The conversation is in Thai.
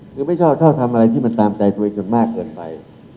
คือไม่ชอบชอบทำอะไรที่มันตามใจตัวเองจนมากเกินไป